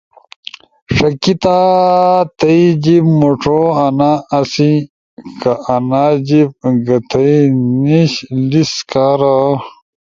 ݜکیتا تھئی جیِب مُوݜو آنا آسی۔۔ کہ آنا جیِب گتھئی نیِش لیس کارا